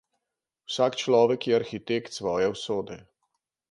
Vsak človek je arhitekt svoje usode.